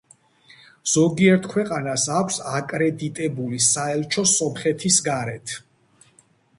ზოგიერთ ქვეყანას აქვს აკრედიტებული საელჩო სომხეთის გარეთ.